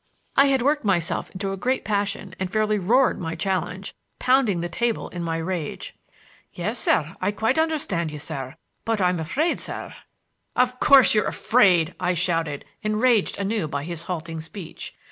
I had worked myself into a great passion and fairly roared my challenge, pounding the table in my rage. "Yes, sir; I quite understand you, sir. But I'm afraid, sir—" "Of course you're afraid!" I shouted, enraged anew by his halting speech.